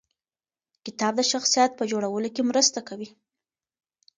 کتاب د شخصیت په جوړولو کې مرسته کوي.